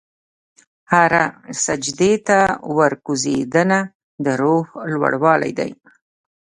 هره سجدې ته ورکوځېدنه، د روح لوړوالی دی.